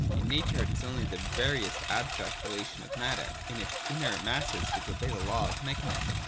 In Nature it is only the veriest abstract relations of matter in its inert masses which obey the law of mechanism.